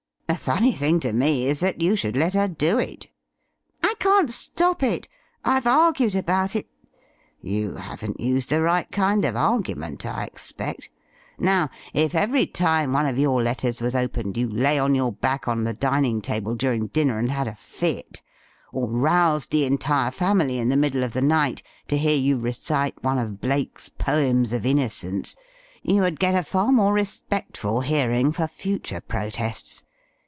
"The funny thing to me is that you should let her do it." "I can't stop it. I've argued about it—" "You haven't used the right kind of argument, I expect. Now, if every time one of your letters was opened you lay on your back on the dining table during dinner and had a fit, or roused the entire family in the middle of the night to hear you recite one of Blake's 'Poems of Innocence,' you would get a far more respectful hearing for future protests.